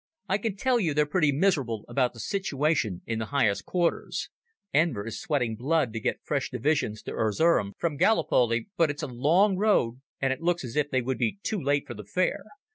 I can tell you they're pretty miserable about the situation in the highest quarters ... Enver is sweating blood to get fresh divisions to Erzerum from Gally poly, but it's a long road and it looks as if they would be too late for the fair ...